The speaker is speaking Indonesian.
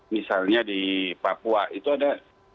misalnya di papua itu ada